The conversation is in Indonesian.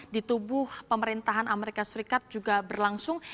di tubuh pemerintahan amerika serikat juga berlangsung